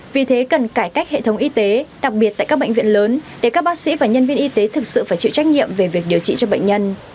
vì thế cần cải cách hệ thống y tế đặc biệt tại các bệnh viện lớn để các bác sĩ và nhân viên y tế thực sự phải chịu trách nhiệm về việc điều trị cho bệnh nhân